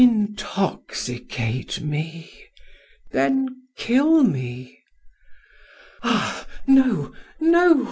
Intoxicate me, then kill me! Ah, no, no!"